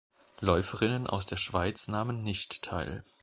Läuferinnen aus der Schweiz nahmen nicht teil.